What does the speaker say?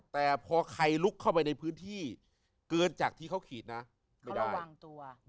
แต่พอใครลุกเข้าไปในพื้นที่เกินจากที่เขาขีดนะไม่ได้ระวังตัว